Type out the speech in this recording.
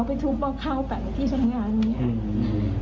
ไปทุกหม้อข้าวแบบที่ทำงานนี้